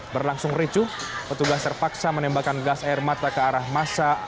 berlangsung ricuh petugas terpaksa menembakkan gas air mata ke arah masa